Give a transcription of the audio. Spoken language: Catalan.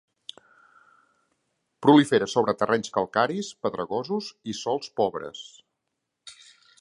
Prolifera sobre terrenys calcaris, pedregosos i sòls pobres.